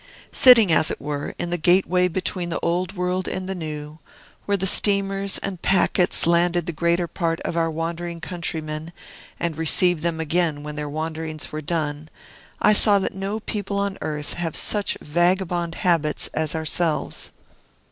Sitting, as it were, in the gateway between the Old World and the New, where the steamers and packets landed the greater part of our wandering countrymen, and received them again when their wanderings were done, I saw that no people on earth have such vagabond habits as ourselves.